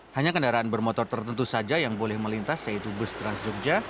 hanya kendaraan bermotor tertentu saja yang boleh melintas yaitu bus trans jogja